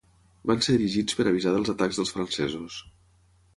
Van ser erigits per avisar dels atacs dels francesos.